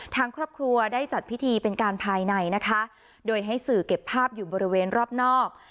ทางครอบครัวได้จัดพิธีเป็นการภายในนะคะโดยให้สื่อเก็บภาพอยู่บริเวณรอบนอก